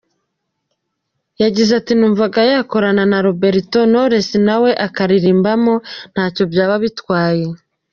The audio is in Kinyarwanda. Yagize ati “Numvaga gukorana na Roberto Knowless na we akaririmbamo ntacyo byari bitwaye.